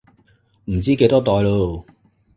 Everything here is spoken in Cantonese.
唔知幾多代囉